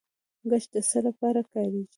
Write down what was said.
ګچ د څه لپاره کاریږي؟